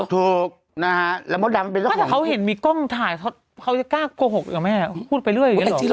ถูกนะฮะ้าแต่เขาเห็นมีกล้องถ่ายเขาจะกล้าโกหกอะไรแม่พูดไปเรื่อยอย่างนี้เหรอ